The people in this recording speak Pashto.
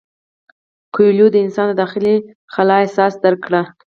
کویلیو د انسان د داخلي خلا احساس درک کړ.